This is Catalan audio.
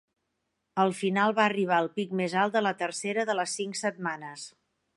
Al final va arribar al pic més alt la tercera de les cinc setmanes.